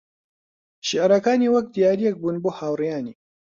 شیعرەکانی وەک دیارییەک بوون بۆ هاوڕێیانی